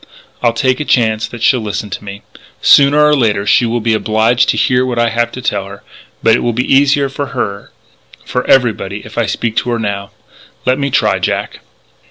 I'll take a chance that she'll listen to me.... Sooner or later she will be obliged to hear what I have to tell her.... But it will be easier for her for everybody if I speak to her now. Let me try, Jack."